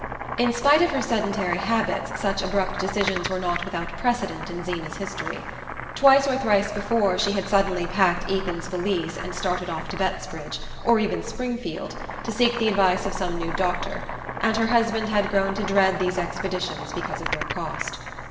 In spite of her sedentary habits such abrupt decisions were not without precedent in Zeena's history. Twice or thrice before she had suddenly packed Ethan's valise and started off to Bettsbridge, or even Springfield, to seek the advice of some new doctor, and her husband had grown to dread these expeditions because of their cost.